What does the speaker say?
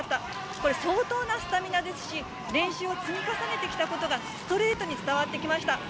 これ、相当なスタミナですし、練習を積み重ねてきたことがストレートに伝わってきました。